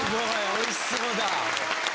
おいしそう！